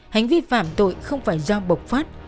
hành vi phạm tội không phải do bộc phát